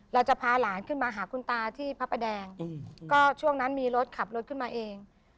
เราจะพาหลานขึ้นมาหาคุณตาที่พระประแดงก็ช่วงนั้นมีรถขับรถขึ้นมาเอง